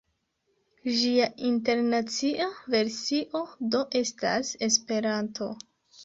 Ĝia internacia versio do estas Esperanto.